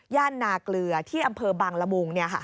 นาเกลือที่อำเภอบางละมุง